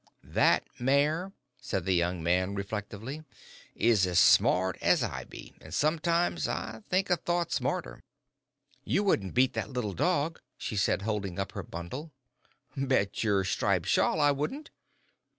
"That mare," said the young man, reflectively, "is as smart as I be, and sometimes I think a thought smarter." "You wouldn't beat that little dog," she said, holding up her bundle. "Bet your striped shawl I wouldn't."